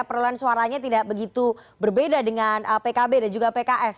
perolehan suaranya tidak begitu berbeda dengan pkb dan juga pks